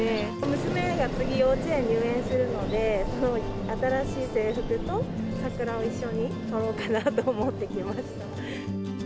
娘が次、幼稚園に入園するので、新しい制服と桜を一緒に撮ろうかなと思って来ました。